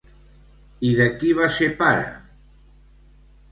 I de qui va ser pare?